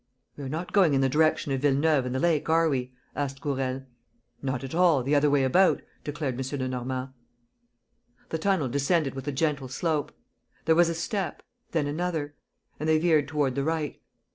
"We are not going in the direction of Villeneuve and the lake are we?" asked Gourel. "Not at all, the other way about," declared M. Lenormand. The tunnel descended with a gentle slope. There was a step, then another; and they veered toward the right.